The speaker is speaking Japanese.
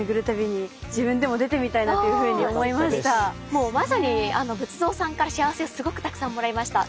もうまさに仏像さんから幸せをすごくたくさんもらいました。